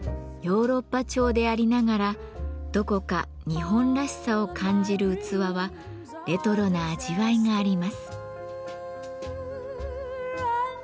ヨーロッパ調でありながらどこか日本らしさを感じる器はレトロな味わいがあります。